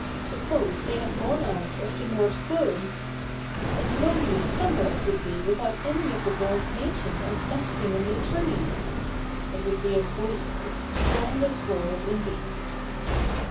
Suppose they had gone out of the North Woods! What a lonely summer it would be without any of the birds mating and nesting in the trees! It would be a voiceless, songless world indeed!